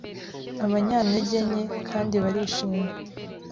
abanyantege nke kandi barishimye.